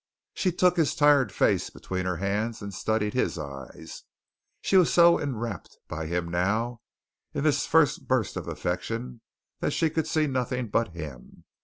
She took his tired face between her hands and studied his eyes. She was so enrapt by him now in this first burst of affection that she could see nothing but him.